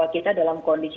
kita dalam kondisi